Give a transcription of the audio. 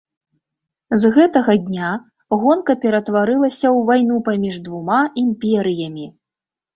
З гэтага дня гонка ператварылася ў вайну паміж двума імперыямі.